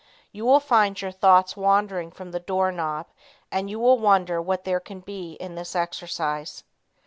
You will find your thoughts wandering from the door knob, and you will wonder what there can be in this exercise.